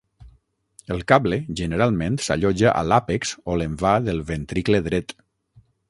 El cable generalment s'allotja a l'àpex o l'envà del ventricle dret.